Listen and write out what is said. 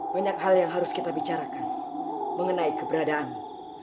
banyak hal yang harus kita bicarakan mengenai keberadaan